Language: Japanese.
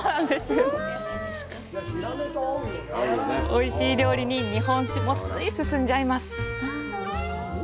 おいしい料理に日本酒もつい進んじゃいます。